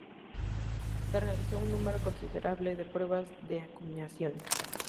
Se realizó un número considerable de pruebas de acuñación.